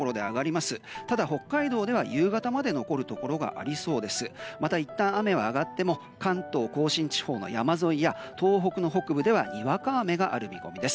また、いったん雨は上がっても関東・甲信地方の山沿いや東北の北部ではにわか雨がある見込みです。